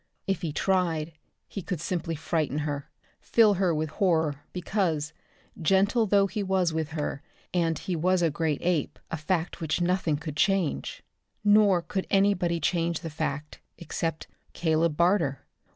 If he tried he could simply frighten her fill her with horror because, gentle though he was with her and he was a great ape, a fact which nothing could change. Nor could anybody change the fact, except Caleb Barter.